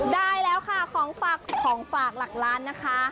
ได้แล้วค่ะของฝากหลักล้านนะคะ